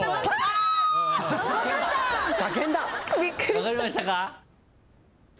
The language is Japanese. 分かりましたか？